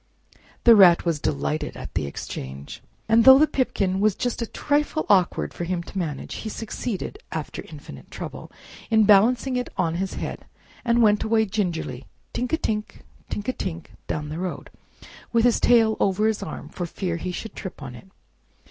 The Rat was delighted at the exchange, and though the pipkin was just a trifle awkward for him to manage, he succeeded, after infinite trouble, in balancing it on his head and went away gingerly, tink a tink, tink a tink, down the road, with his tail over his arm for fear he should trip on it.